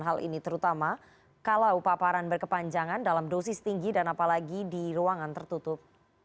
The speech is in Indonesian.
hal ini terutama kalau paparan berkepanjangan dalam dosis tinggi dan apalagi di ruangan tertutup